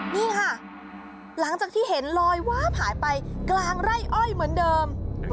นี่ค่ะหลังจากที่เห็นลอยวาบหายไปกลางไร่อ้อยเหมือนเดิม